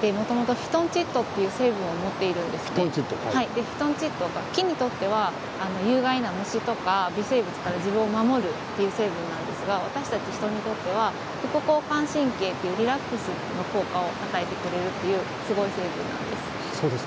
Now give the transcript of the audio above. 木々はもともとフィトンチッドという成分を持っているんですけれども木にとっては有害な虫とか微生物から自分を守る成分なんですが私たち人にとっては副交感神経というリラックスの効果を高めてくれるというすごい成分なんです。